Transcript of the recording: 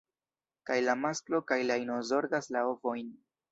Kaj la masklo kaj la ino zorgas la ovojn.